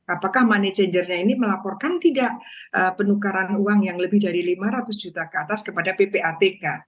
apakah money changernya ini melaporkan tidak penukaran uang yang lebih dari lima ratus juta ke atas kepada ppatk